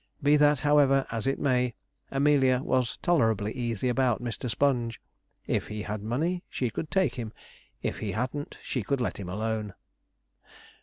Be that, however, as it may, Amelia was tolerably easy about Mr. Sponge. If he had money she could take him; if he hadn't, she could let him alone.